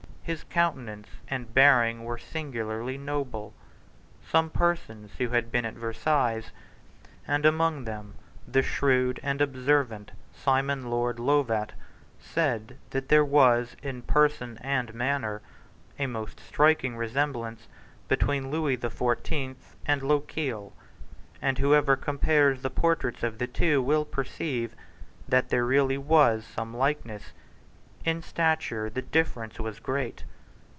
His countenance and bearing were singularly noble. Some persons who had been at Versailles, and among them the shrewd and observant Simon Lord Lovat, said that there was, in person and manner, a most striking resemblance between Lewis the Fourteenth and Lochiel; and whoever compares the portraits of the two will perceive that there really was some likeness. In stature the difference was great.